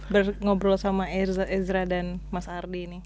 berobrol sama ezra dan mas ardi ini